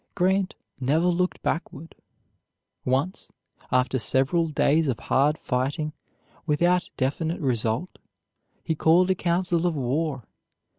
Grant never looked backward. Once, after several days of hard fighting without definite result, he called a council of war.